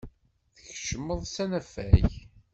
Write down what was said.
Tkeccmeḍ s anafag.